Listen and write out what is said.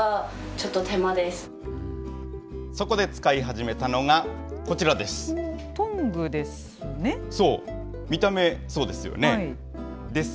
そこで使い始めたのが、こちらです。